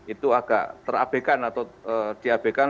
itu agak ter ab kan atau di ab kan